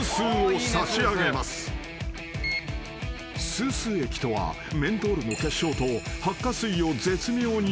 ［スースー液とはメントールの結晶とハッカ水を絶妙に混ぜたもの。